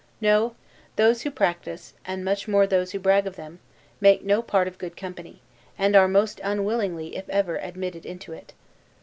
No; those who practice, and much more those who brag of them, make no part of good company; and are most unwillingly, if ever, admitted into it.